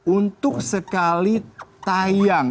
untuk sekali tayang